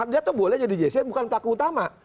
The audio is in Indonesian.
dia tuh boleh jadi jc bukan pelaku utama